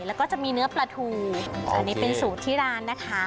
แล้วก็จะมีเนื้อปลาทูอันนี้เป็นสูตรที่ร้านนะคะ